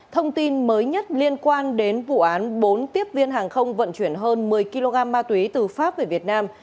thông tin mới nhất liên quan đến vụ án bốn tiếp viên hàng không vận chuyển hơn một mươi kg ma túy từ pháp về việt nam